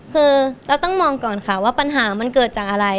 คือเราต้องมองก่อนค่ะว่าปัญหามันเกิดจากอะไร